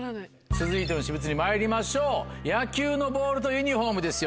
続いての私物にまいりましょう野球のボールとユニホームですよね。